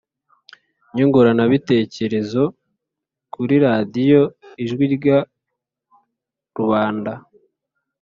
nyunguranabitekerezo kuri Radiyo Ijwi Rya Rubanda.